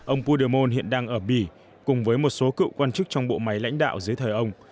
ông pudermon hiện đang ở bỉ cùng với một số cựu quan chức trong bộ máy lãnh đạo dưới thời ông